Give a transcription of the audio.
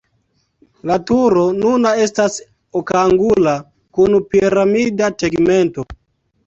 La turo nuna estas okangula kun piramida tegmento.